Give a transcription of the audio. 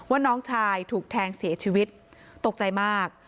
น้องชายถูกแทงเสียชีวิตตกใจมาก